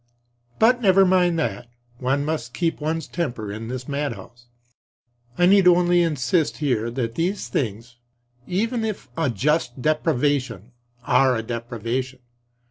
But never mind that; one must keep one's temper in this madhouse. I need only insist here that these things, even if a just deprivation, are a deprivation.